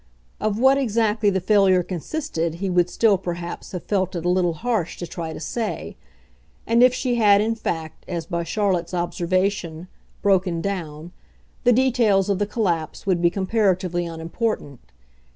Of what exactly the failure consisted he would still perhaps have felt it a little harsh to try to say; and if she had in fact, as by Charlotte's observation, "broken down," the details of the collapse would be comparatively unimportant.